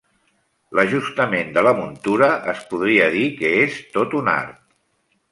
L'ajustament de la muntura es podria dir que és tot un art.